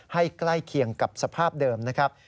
ใกล้เคียงกับสภาพเดิมนะครับ